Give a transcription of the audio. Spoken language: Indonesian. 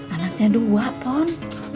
anaknya dua pon